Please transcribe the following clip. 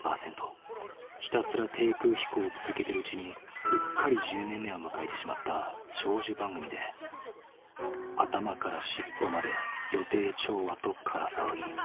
ひたすら低空飛行を続けてるうちにうっかり１０年目を迎えてしまった長寿番組で頭から尻尾まで予定調和と空騒ぎ。